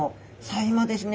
今ですね